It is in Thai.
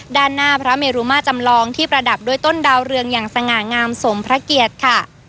ด้านหน้าพระเมรุมาจำลองที่ประดับด้วยต้นดาวเรืองอย่างสง่างามสมพระเกียรติค่ะ